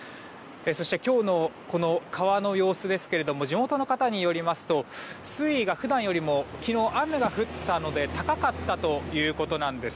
そして今日の川の様子ですが地元の方によりますと水位が普段よりも昨日雨が降ったので高かったということなんです。